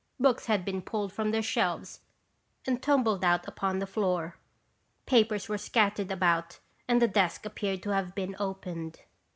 Books had been pulled from their shelves and tumbled out upon the floor. Papers were scattered about and the desk appeared to have been opened.